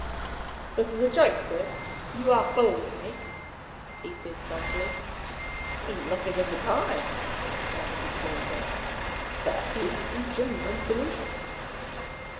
"This is a joke, sir; you are fooling me," he said sulkily. "Nothing of the kind," answered Thorndyke. "That is the genuine solution."